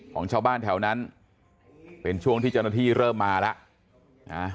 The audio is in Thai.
ของชาวบ้านแถวนั้นเป็นช่วงที่เจ้าหน้าที่เริ่มมาแล้วนะ